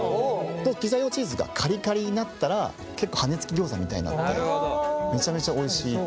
でピザ用チーズがカリカリになったら結構はねつきギョーザみたいになってめちゃめちゃおいしい。